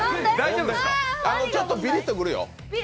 ちょっとビリっとくるよ？